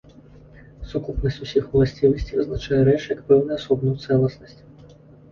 Сукупнасць усіх уласцівасцей вызначае рэч як пэўную асобную цэласнасць.